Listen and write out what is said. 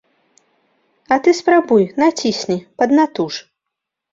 А ты спрабуй, націсні, паднатуж.